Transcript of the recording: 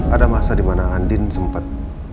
ada masa dimana andin sempet